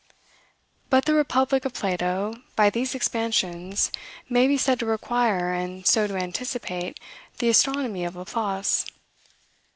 But the Republic of Plato, by these expansions, may be said to require, and so to anticipate, the astronomy of Laplace.